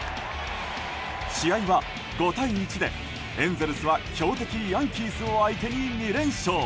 試合は５対１で、エンゼルスは強敵ヤンキースを相手に２連勝。